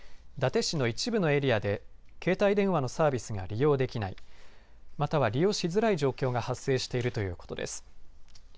伊達市の一部のエリアで携帯電話のサービスが利用できないまたは利用しづらい状況が発生しているということです。